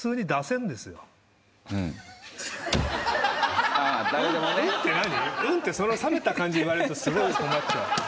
「うん」ってそんな冷めた感じで言われるとすごい困っちゃう。